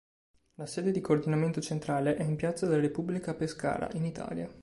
La sede di coordinamento centrale è in Piazza della Repubblica a Pescara, in Italia.